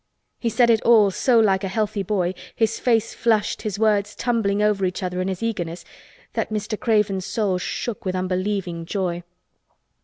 He said it all so like a healthy boy—his face flushed, his words tumbling over each other in his eagerness—that Mr. Craven's soul shook with unbelieving joy.